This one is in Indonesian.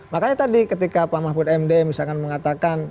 makanya tadi ketika pak mahfud md misalkan mengatakan